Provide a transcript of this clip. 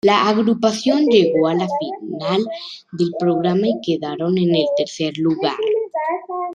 La agrupación llegó a la final del programa y quedaron en el tercer lugar.